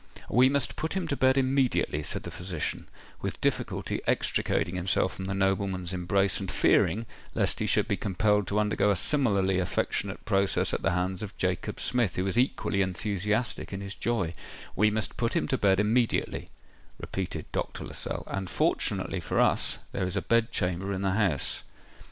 "We must put him to bed immediately," said the physician, with difficulty extricating himself from the nobleman's embrace, and fearing lest he should be compelled to undergo a similarly affectionate process at the hands of Jacob Smith, who was equally enthusiastic in his joy:—"we must put him to bed immediately," repeated Dr. Lascelles; "and fortunately for us, there is a bed chamber in the house."